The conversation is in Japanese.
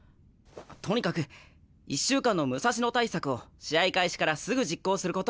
とにかく１週間の武蔵野対策を試合開始からすぐ実行すること。